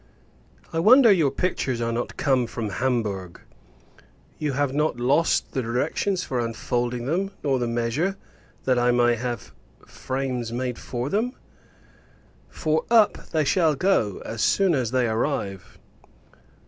I wonder your pictures are not come from Hamburg! You have not lost the directions for unfolding them; nor the measure, that I may have frames made for them? For, up they shall go, as soon as they arrive.